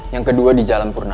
yang kedua di jalan purna